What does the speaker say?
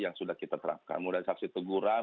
yang sudah kita terapkan mengurangi sanksi teguran